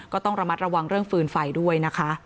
ก็ต้องระมัดระวังเรื่องฟืนไฟด้วยนะคะ